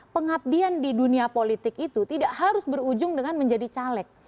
pengabdian di dunia politik itu tidak harus berujung dengan menjadi caleg